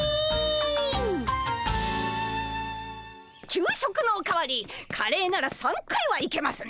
給食のお代わりカレーなら３回はいけますね。